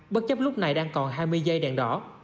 bất chấp lúc này đang còn hai mươi dây đèn đỏ